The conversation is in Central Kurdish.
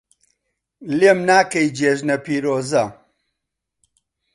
لێم ناکەی جێژنە پیرۆزە